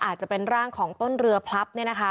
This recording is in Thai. อาจจะเป็นร่างของต้นเรือพลับ